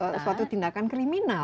dan suatu tindakan kriminal